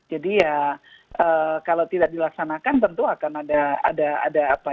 jadi ya kalau tidak dilaksanakan tentu akan ada ada ada ada